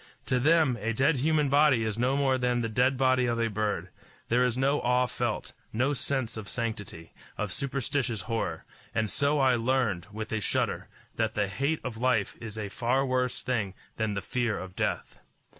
To them a dead human body is no more than the dead body of a bird: there is no awe felt, no sense of sanctity, of superstitious horror; and so I learned, with a shudder, that the hate of life is a far worse thing than the fear of death.